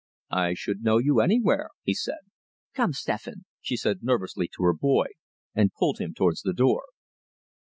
"I should know you anywhere," he said. "Come, Stephan," she said nervously to her boy, and pulled him towards the door.